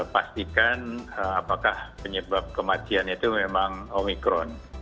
pastikan apakah penyebab kematiannya itu memang omikron